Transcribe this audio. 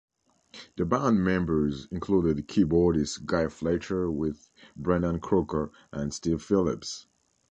The band members included keyboardist Guy Fletcher, with Brendan Croker and Steve Phillips.